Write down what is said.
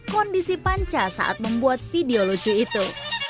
kondisi panca saat membuat video lucu itu